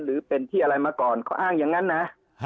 หรือเป็นที่อะไรมาก่อนเขาอ้างอย่างนั้นนะ